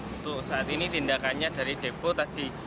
untuk saat ini tindakannya dari depo tadi